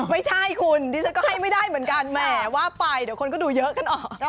มาจากเนียราของสวัสดิ์นี่แหละค่ะ